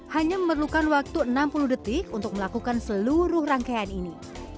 hanya memerlukan waktu enam puluh detik untuk melakukan seluruh rangkaian ini